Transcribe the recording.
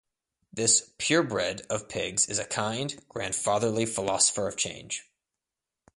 This "purebred" of pigs is a kind, grandfatherly philosopher of change.